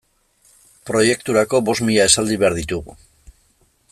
Proiekturako bost mila esaldi behar ditugu.